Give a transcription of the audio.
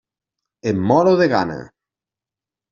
Em moro de gana.